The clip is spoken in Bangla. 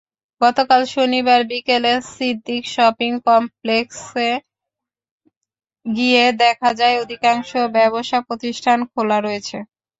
গতকাল শনিবার বিকেলে সিদ্দিক শপিং কমপ্লেক্সে গিয়ে দেখা যায়, অধিকাংশ ব্যবসাপ্রতিষ্ঠান খোলা রয়েছে।